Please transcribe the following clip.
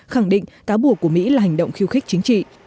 khẳng định cáo buộc của mỹ là hành động khiêu khích chính trị